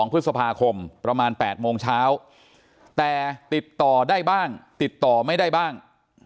พฤษภาคมประมาณ๘โมงเช้าแต่ติดต่อได้บ้างติดต่อไม่ได้บ้าง